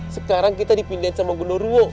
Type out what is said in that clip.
sekarang kita dipindahin sama gondoruo